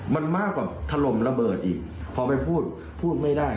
มันมากกว่าถล่มระเบิดอีกพอไปพูดพูดไม่ได้